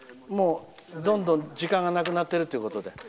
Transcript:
どんどん時間がなくなってるということで。